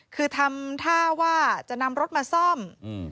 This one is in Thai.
คือทำท่าว่าจะนำรถมาซ่อม